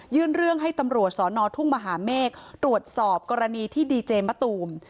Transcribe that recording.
เรื่องให้ตำรวจสอนอทุ่งมหาเมฆตรวจสอบกรณีที่ดีเจมะตูม